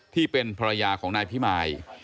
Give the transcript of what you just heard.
ที่เป็นภรรยาของนายพิมาย